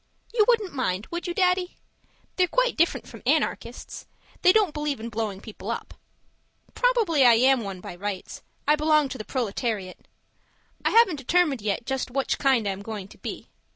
You wouldn't mind, would you, Daddy? They're quite different from Anarchists; they don't believe in blowing people up. Probably I am one by rights; I belong to the proletariat. I haven't determined yet just which kind I am going to be.